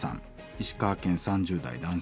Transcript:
石川県３０代男性。